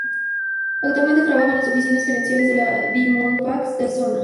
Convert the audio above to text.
Actualmente trabaja en la oficina gerencial de los Diamondbacks de Arizona.